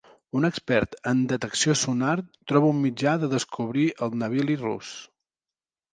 Un expert en detecció sonar troba un mitjà de descobrir el navili rus.